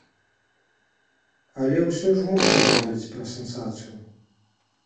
Але ўсё ж можна гаварыць пра сенсацыю.